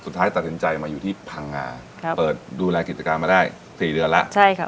สุดท้ายตัดสินใจมาอยู่ที่พังงาครับเปิดดูแลกิจการมาได้สี่เดือนแล้วใช่ค่ะ